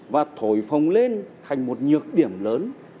và thổi phồng lên thành một nhược điểm lớn